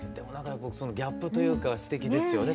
そのギャップというかすてきですよね。